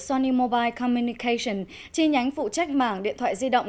sony mobile commenication chi nhánh phụ trách mảng điện thoại di động